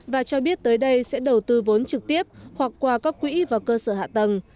và cho biết tới đây sẽ đầu tư vốn trực tiếp hoặc qua các quỹ và cơ sở hạ tầng